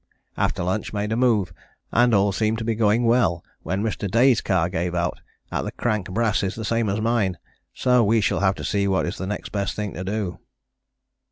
After lunch made a move, and all seemed to be going well when Mr. Day's car gave out at the crank brasses the same as mine, so we shall have to see what is the next best thing to do.